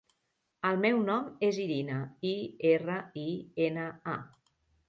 El meu nom és Irina: i, erra, i, ena, a.